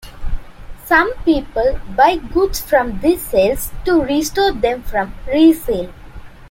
Some people buy goods from these sales to restore them for resale.